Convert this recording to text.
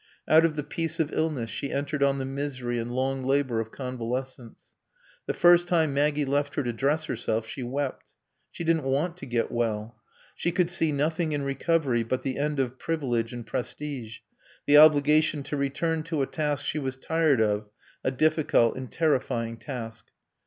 Out of the peace of illness she entered on the misery and long labor of convalescence. The first time Maggie left her to dress herself she wept. She didn't want to get well. She could see nothing in recovery but the end of privilege and prestige, the obligation to return to a task she was tired of, a difficult and terrifying task.